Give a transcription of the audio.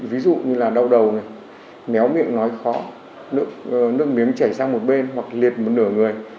ví dụ như là đau đầu méo miệng nói khó nước miếng chảy sang một bên hoặc liệt một nửa người